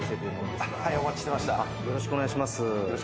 よろしくお願いします。